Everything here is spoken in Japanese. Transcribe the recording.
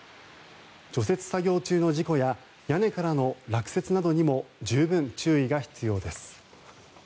除雪作業中の事故や屋根からの落雪などにも十分注意が必要です。